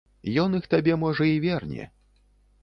Ён іх табе, можа, і верне.